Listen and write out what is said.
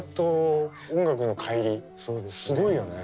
すごいよね。